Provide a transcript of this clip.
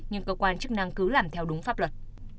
nhưng cơ quan chức năng cứ làm theo đúng pháp luật